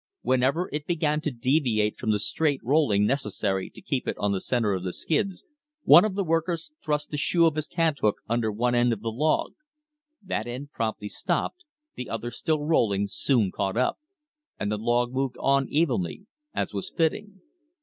Whenever it began to deviate from the straight rolling necessary to keep it on the center of the skids, one of the workers thrust the shoe of his cant hook under one end of the log. That end promptly stopped; the other, still rolling, soon caught up; and the log moved on evenly, as was fitting.